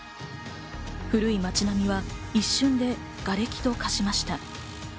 古い街並みは一瞬でがれきと化しました。